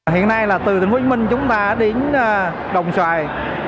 hiện nay là từ tỉnh hồ chí minh chúng ta đến đồng xoài